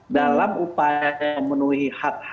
dalam upaya memenuhi hak hak perlindungan data